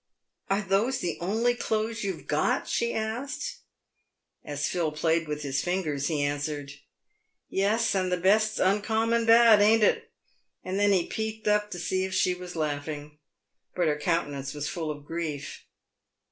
"Are those the only clothes you've got ?" she asked. 122 PAYED WITH GOLD. As Phil played with his fingers, he answered, " Yes ; and the best's uncommon bad, ain't it?" And then he peeped up to see if she was laughing. But her countenance was full of grief.